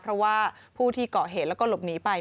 เพราะว่าผู้ที่เกาะเหตุแล้วก็หลบหนีไป